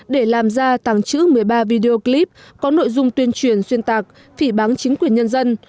để làm ra tàng trữ một mươi ba video clip có nội dung tuyên truyền xuyên tạc phỉ bán chính quyền nhân dân